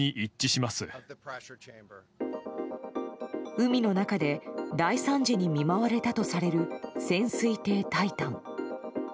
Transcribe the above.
海の中で大惨事に見舞われたとされる潜水艇「タイタン」。